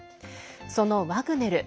そのワグネル。